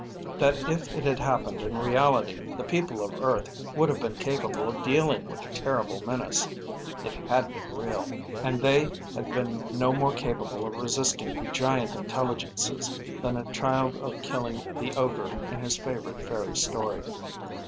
That if it had happened in reality, the people of Earth would have been capable of dealing with the terrible menace. It had been real. And they had been no more capable of resisting the giant intelligences than a child of killing the ogre in his favorite fairy story.